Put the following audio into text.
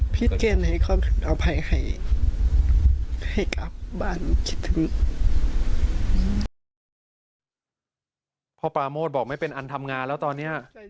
ปาโมดบอกไม่เป็นอันทำงานแล้วตอนนี้